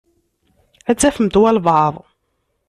Ad tafemt walebɛaḍ.